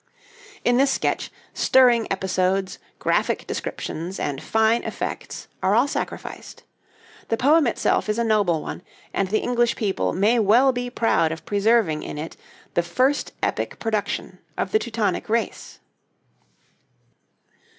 In this sketch, stirring episodes, graphic descriptions, and fine effects are all sacrificed. The poem itself is a noble one and the English people may well be proud of preserving in it the first epic production of the Teutonic race.